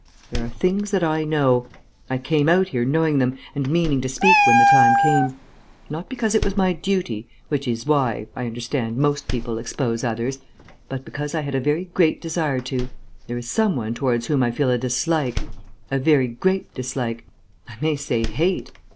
There are things that I know.... I came out here knowing them, and meaning to speak when the time came. Not because it was my duty, which is why (I understand) most people expose others, but because I had a very great desire to. There is some one towards whom I feel a dislike a very great dislike; I may say hate.